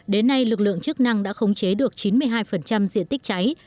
đến nay lực lượng chức năng đã khống chế được chín mươi hai diện tích cháy